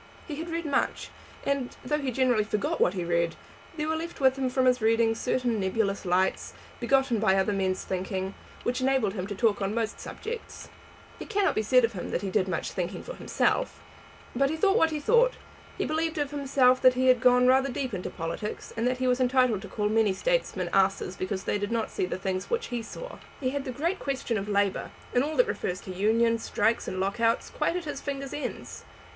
He had read much, and, though he generally forgot what he read, there were left with him from his readings certain nebulous lights, begotten by other men's thinking, which enabled him to talk on most subjects. It cannot be said of him that he did much thinking for himself; but he thought that he thought. He believed of himself that he had gone rather deep into politics, and that he was entitled to call many statesmen asses because they did not see the things which he saw. He had the great question of labour, and all that refers to unions, strikes, and lock outs, quite at his fingers' ends.